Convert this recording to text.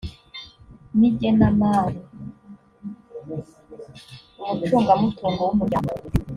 n igenamari umucungamutungo w umuryango